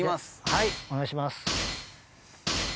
・はいお願いします。